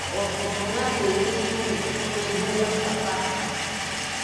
Urqukunapi wiñaq mikhuna yuram papaqa.